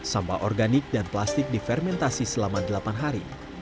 sampah organik dan plastik difermentasi selama delapan hari